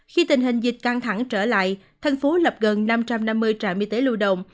khi tình hình dịch căng thẳng trở lại thành phố lập gần năm trăm năm mươi trạm y tế lưu động